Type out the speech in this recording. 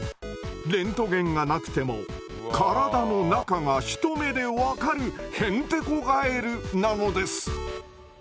レントゲンがなくても体の中が一目で分かるへんてこガエルなのです。